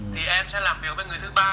thì em sẽ làm việc với người thứ ba